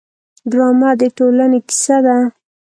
ډرامه د ټولنې کیسه ده